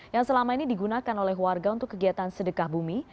yang selama ini digunakan oleh warga untuk kegiatan sedekah bumi